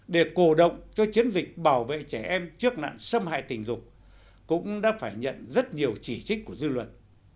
để cổ động cho chiến dịch bảo vệ trẻ em trước nạn xâm hại tình dục cũng đã phải nhận rất nhiều chỉ trích của dư luận